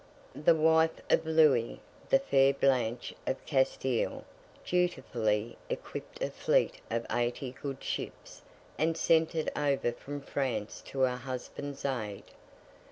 The wife of Louis, the fair Blanche of Castile, dutifully equipped a fleet of eighty good ships, and sent it over from France to her husband's aid.